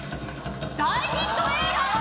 大ヒット映画！